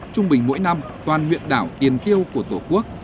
trung bình mỗi năm toàn huyện đảo tiền tiêu của tổ quốc